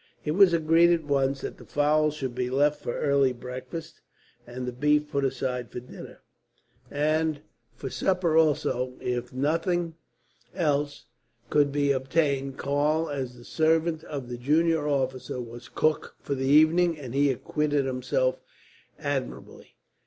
It was agreed at once that the fowls should be left for early breakfast; and the beef put aside for dinner, and for supper, also, if nothing else could be obtained. Karl, as the servant of the junior officer, was cook for the evening, and he acquitted himself admirably.